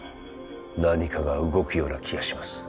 何かが動くような気がします